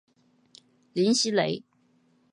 林熙蕾。